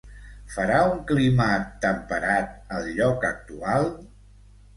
Farà un clima temperat al lloc actual?